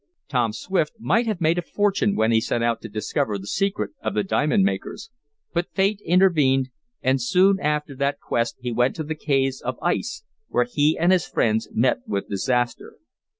Tom Swift might have made a fortune when he set out to discover the secret of the diamond makers. But Fate intervened, and soon after that quest he went to the caves of ice, where he and his friends met with disaster.